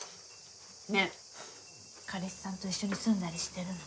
ねえ彼氏さんと一緒に住んだりしてるの？